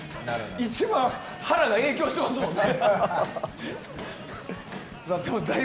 一番腹が影響していますもんね。